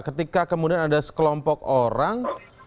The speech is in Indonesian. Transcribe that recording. ketika kemudian ada sekelompok orang